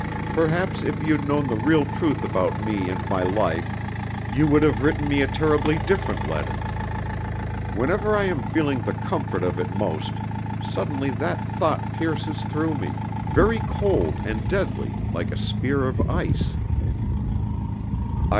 Perhaps if you'd known the real truth about me and my life, you would have written me a terribly different letter. Whenever I am feeling the comfort of it most, suddenly that thought pierces through me, very cold and deadly, like a spear of ice.